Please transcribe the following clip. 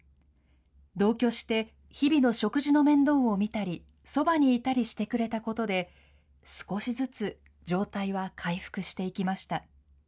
同居して、日々の食事の面倒を見たり、そばにいたりしてくれたことで、少しずつ状態は回復していきました。